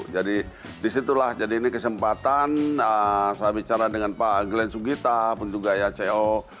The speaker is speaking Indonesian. jadi disitulah jadi ini kesempatan saya bicara dengan pak glenn sugita penjaga ya co